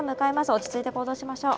落ち着いて行動しましょう。